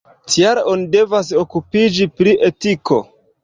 Tial oni devas okupiĝi pri etiko.